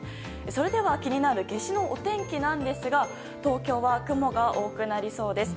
それでは気になる夏至のお天気なんですが東京は雲が多くなりそうです。